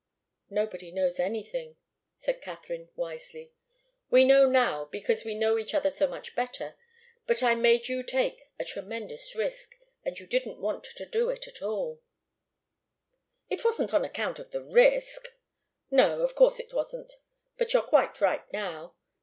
"Nobody knows anything," said Katharine, wisely. "We know now, because we know each other so much better. But I made you take a tremendous risk, and you didn't want to do it at all " "It wasn't on account of the risk " "No of course it wasn't. But you're quite right now.